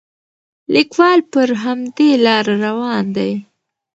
لیکوال پر همدې لاره روان دی.